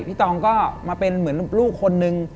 ตองก็มาเป็นเหมือนลูกคนนึง